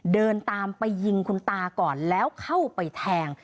เดินตามไปยิงคุณตาก่อนแล้วเข้าไปแทง